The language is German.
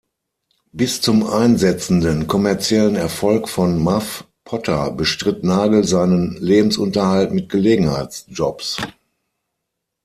Bis zum einsetzenden kommerziellen Erfolg von Muff Potter bestritt Nagel seinen Lebensunterhalt mit Gelegenheitsjobs.